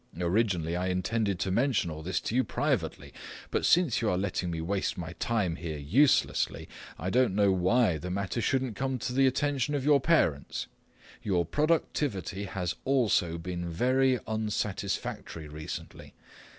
Originally I intended to mention all this to you privately, but since you are letting me waste my time here uselessly, I don't know why the matter shouldn't come to the attention of your parents. Your productivity has also been very unsatisfactory recently.